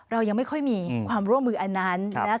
เรายังไม่ค่อยมีความร่วมมืออันนั้นนะครับ